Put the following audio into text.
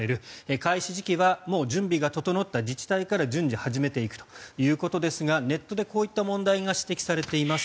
開始時期はもう準備が整った自治体から順次始めていくということですがネットでこういう問題が指摘されています。